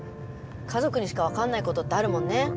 家族にしか分かんないことってあるもんね。